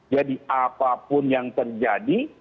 jadi apapun yang terjadi